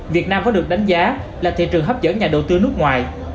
việt nam vẫn được đánh giá là thị trường hấp dẫn nhà đầu tư nước ngoài